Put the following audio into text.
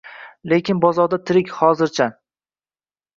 — Lekin hozircha tirik, hozircha!